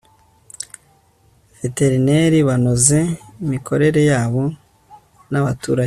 veterineri banoze imikorere yabo n abaturage